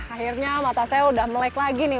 akhirnya mata saya udah melek lagi nih